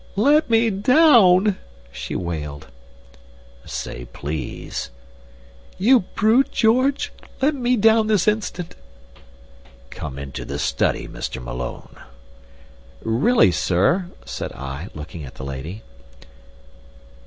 "Let me down!" she wailed. "Say 'please.'" "You brute, George! Let me down this instant!" "Come into the study, Mr. Malone." "Really, sir !" said I, looking at the lady.